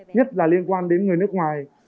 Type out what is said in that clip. nhất là liên quan đến người nước ngoài